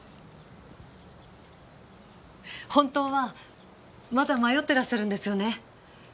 本当はまだ迷っていらっしゃるんですよね。